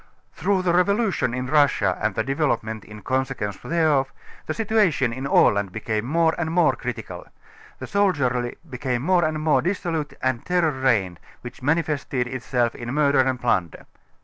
Through the revolution in Russia and the developement in consequence thereof, the situation in Aland became more and more critical. The soldiery became more and more dis solute and a terror reigned, which manifested itself in mur der and plunder.